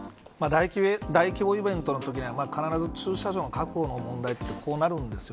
大規模イベントのときには必ず駐車場の確保の問題ってこうなるんです。